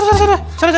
marilah marilah marilah